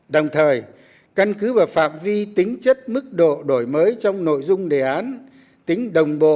đồng thời căn cứ vào phạm vi tính chất mức độ đổi mới trong nội dung đề án tính đồng bộ